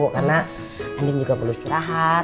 karena andin juga perlu istirahat